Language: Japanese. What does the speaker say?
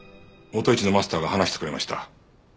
もと一のマスターが話してくれました。